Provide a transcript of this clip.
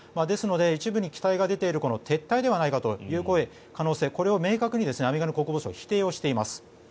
ですので、一部に期待が出ている撤退ではないかという声、可能性これを明確にアメリカの国防省は否定しています。